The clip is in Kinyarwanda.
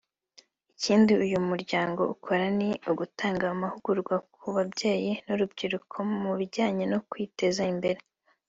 Ikindi uyu muryango ukora ni ugutanga amahugurwa ku babyeyi n’urubyiruko mu bijyanye no kwiteza imbere